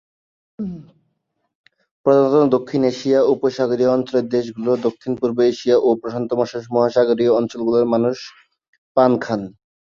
প্রধানত দক্ষিণ এশিয়া, উপসাগরীয় অঞ্চলের দেশসমূহ, দক্ষিণ-পূর্ব এশিয়া ও প্রশান্ত মহাসাগরীয় অঞ্চলের মানুষ পান খায়।